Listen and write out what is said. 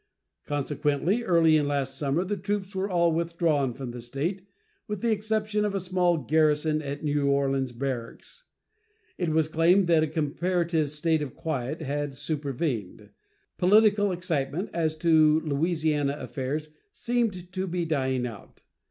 Consequently early in last summer the troops were all withdrawn from the State, with the exception of a small garrison at New Orleans Barracks. It was claimed that a comparative state of quiet had supervened. Political excitement as to Louisiana affairs seemed to be dying out.